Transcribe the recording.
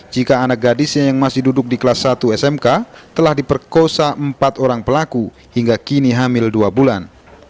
jika anak gadisnya yang masih duduk di kelas satu smk telah diperkosa empat orang pelaku hingga kini hamil dua bulan